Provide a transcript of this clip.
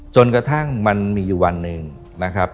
จนกระทั่งมันมีอยู่วันหนึ่งนะครับ